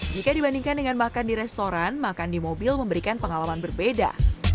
jika dibandingkan dengan makan di restoran makan di mobil memberikan pengalaman berbeda